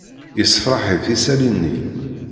Yessfṛeḥ-it isali-nni.